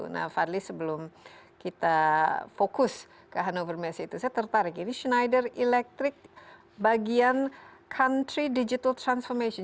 nah fadli sebelum kita fokus ke hannover messe itu saya tertarik ini schnider electric bagian country digital transformation